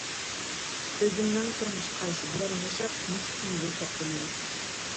ئۈزۈمنىڭ تۇرمۇش قارىشى بىلەن ياشاپ مۇشۇ كەمگە كەپتىمەن.